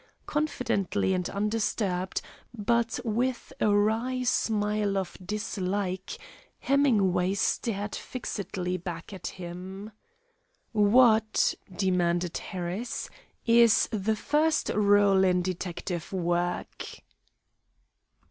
Confidently and undisturbed, but with a wry smile of dislike, Hemingway stared fixedly back at him. "What," demanded Harris, "is the first rule in detective work?"